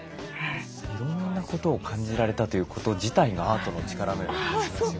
いろんなことを感じられたということ自体がアートの力のような気がしますよね。